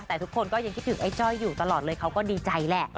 แต่ทุกคนก็ยังคิดถึงไอ้จ้อยอยู่ตลอดเลยเขาก็ดีใจแหละ